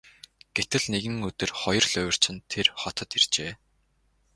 Гэтэл нэгэн өдөр хоёр луйварчин тэр хотод иржээ.